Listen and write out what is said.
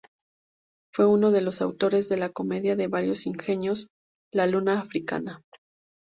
Fue uno de los autores de la comedia de varios ingenios "La luna africana".